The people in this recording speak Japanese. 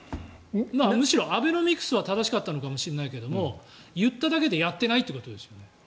むしろアベノミクスは正しかったのかもしれないけど言っただけでやってないということですよね。